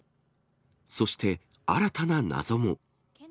そして、新たな謎も。